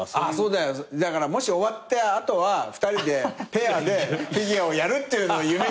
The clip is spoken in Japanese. だからもし終わった後は２人でペアでフィギュアをやるっていうのを夢にしてよ。